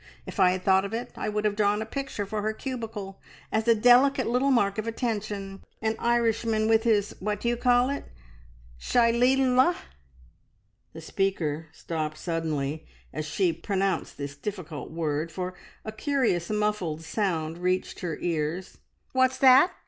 If I had thought of it I would have drawn a picture for her cubicle, as a delicate little mark of attention. An Irishman with his what do you call it? shi lee lah!" The speaker stopped suddenly as she pronounced this difficult word, for a curious muffled sound reached her ears. "What's that?"